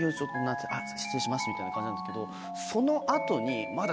「あっ失礼します」みたいな感じなんですけどその後にまだ。